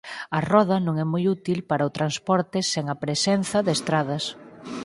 A roda non é moi útil para o transporte sen a presenza de estradas.